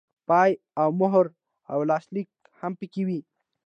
پای او مهر او لاسلیک هم پکې وي.